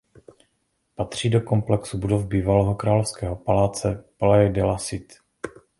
Patří do komplexu budov bývalého královského paláce "Palais de la Cité".